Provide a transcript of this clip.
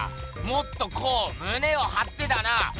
もっとこうむねをはってだな。